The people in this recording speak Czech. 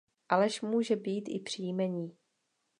Aleš může být i příjmení.